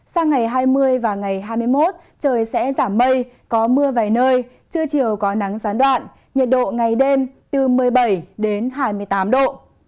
sang ngày hai mươi và ngày hai mươi một trời sẽ giảm mây có mưa vài nơi trưa chiều có nắng gián đoạn nhiệt độ ngày đêm từ một mươi bảy đến hai mươi tám độ